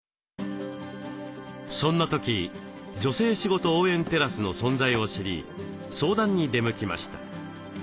そんな時「女性しごと応援テラス」の存在を知り相談に出向きました。